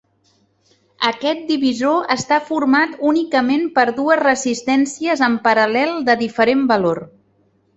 Aquest divisor està format únicament per dues resistències en paral·lel de diferent valor.